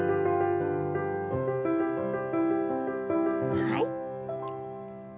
はい。